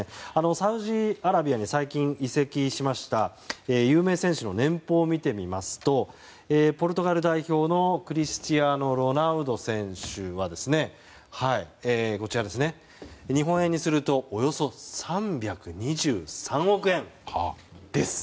サウジアラビアに最近移籍しました有名選手の年俸を見てみますとポルトガル代表のクリスティアーノ・ロナウド選手は日本円にするとおよそ３２３億円です。